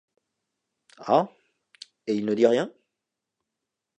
Ah ! et il ne dit rien ?